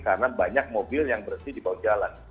karena banyak mobil yang berhenti di bawah jalan